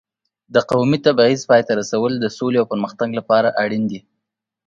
د قومي تبعیض پای ته رسول د سولې او پرمختګ لپاره اړین دي.